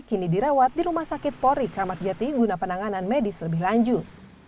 kini dirawat di rumah sakit polri kramat jati guna penanganan medis lebih lanjut